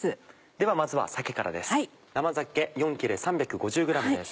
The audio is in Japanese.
ではまずは鮭からです。